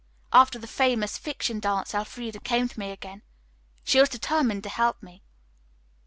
After the Famous Fiction Dance Elfreda came to me again. She was determined to help me."